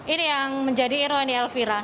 ini yang menjadi ironi elvira